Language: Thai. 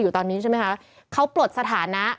อยู่ตอนนี้ใช่ไหมคะเขาปลดสถานะ